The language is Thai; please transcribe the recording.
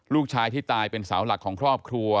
ลูกชายที่ตายเป็นเสาหลักของครอบครัว